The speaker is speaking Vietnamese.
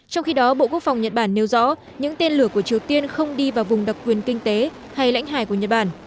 trong khi đó bộ quốc phòng nhật bản nêu rõ những tên lửa của triều tiên không đi vào vùng đặc quyền kinh tế hay lãnh hải của nhật bản